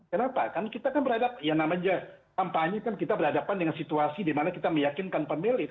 kenapa kan kita kan berhadap ya namanya kampanye kan kita berhadapan dengan situasi dimana kita meyakinkan pemilih